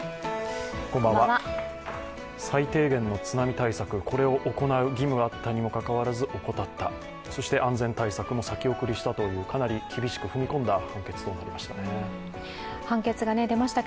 最低限の津波対策、これを行う義務があったのもかかわらず、怠った、そして安全対策も先送りしたというかなり厳しく踏み込んだ判決となりました。